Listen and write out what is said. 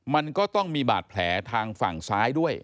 มันก็ต้องมีบาดแผลทางฝั่งซ้ายด้วย